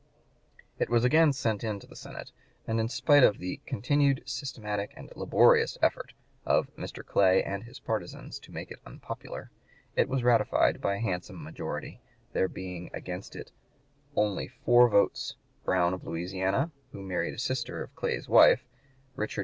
It was again sent in to the Senate, and in spite of the "continued, systematic, and laborious effort" of "Mr. Clay and his partisans to make it unpopular," it was ratified by a handsome majority, there being against it "only four votes Brown, of Louisiana, who married a sister of Clay's wife; Richard M.